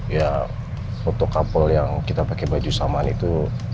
ya untuk couple yang kita pakai baju samaan itu